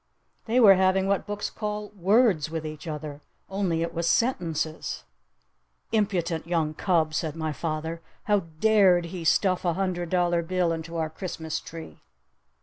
They were having what books call "words" with each other. Only it was "sentences!" "Impudent young cub!" said my father. "How dared he stuff a hundred dollar bill into our Christmas tree?"